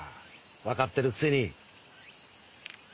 わかってるくせに。